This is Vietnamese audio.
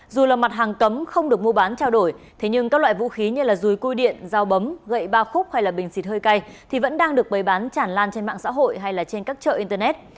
dù là mặt hàng cấm không được mua bán trao đổi thế nhưng các loại vũ khí như rùi cui điện dao bấm gậy ba khúc hay là bình xịt hơi cay thì vẫn đang được bày bán chản lan trên mạng xã hội hay là trên các chợ internet